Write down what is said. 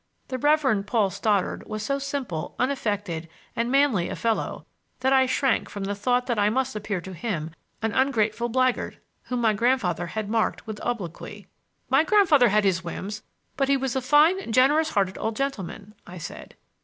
The Reverend Paul Stoddard was so simple, unaffected and manly a fellow that I shrank from the thought that I must appear to him an ungrateful blackguard whom my grandfather had marked with obloquy. "My grandfather had his whims; but he was a fine, generous hearted old gentleman," I said.